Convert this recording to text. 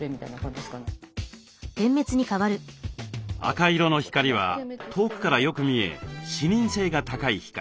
赤色の光は遠くからよく見え視認性が高い光。